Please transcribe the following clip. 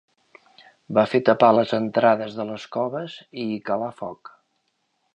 Va fer tapar les entrades de les coves i hi calà foc.